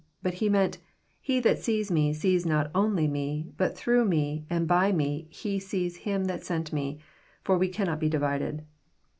But He meant, '* He that sees Me sees not only Me, but through Me and by Me he sees Him that sent Me, for we cannot be divided."